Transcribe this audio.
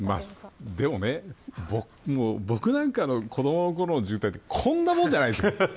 でもね、僕なんかの子どものころの渋滞でこんなもんじゃないですよ。